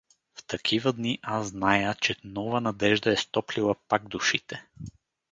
В такива дни аз зная, че нова надежда е стоплила пак душите.